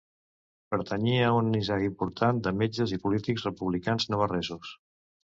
Pertanyia a una nissaga important de metges i polítics republicans navarresos.